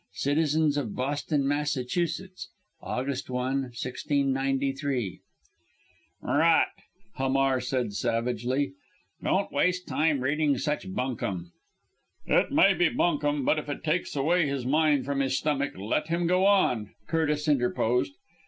"Citizens of Boston, Massachusetts; August 1, 1693.'" "Rot!" Hamar said savagely; "don't waste time reading such bunkum." "It may be bunkum, but if it takes away his mind from his stomach let him go on," Curtis interposed.